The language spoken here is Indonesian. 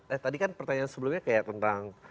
eh tadi kan pertanyaan sebelumnya kayak tentang